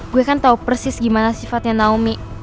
gue kan tahu persis gimana sifatnya naomi